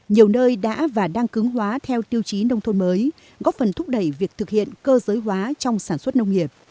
nhiều nơi đã và đang cứng hóa theo tiêu chí nông thôn mới góp phần thúc đẩy việc thực hiện cơ giới hóa trong sản xuất nông nghiệp